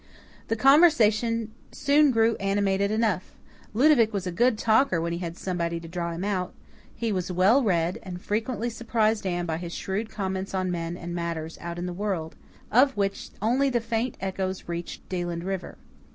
The conversation soon grew animated enough. Ludovic was a good talker when he had somebody to draw him out. He was well read, and frequently surprised Anne by his shrewd comments on men and matters out in the world, of which only the faint echoes reached Deland River.